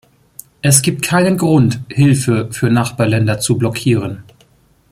Es gibt keinen Grund, Hilfe für Nachbarländer zu blockieren.